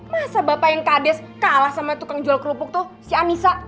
masa bapak yang kades kalah sama tukang jual kerupuk tuh si anissa